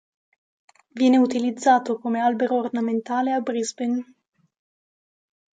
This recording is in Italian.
Viene utilizzato come albero ornamentale a Brisbane.